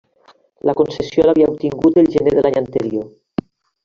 La concessió l’havia obtingut el gener de l’any anterior.